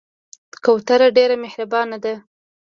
کوتره ډېر مهربانه ده.